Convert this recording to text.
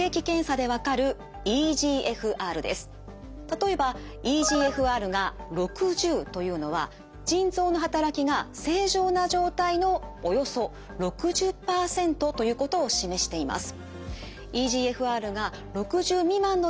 例えばｅＧＦＲが６０というのは腎臓の働きが正常な状態のおよそ６０％ということを示しています。